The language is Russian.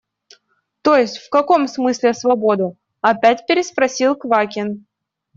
– То есть в каком смысле свободу? – опять переспросил Квакин.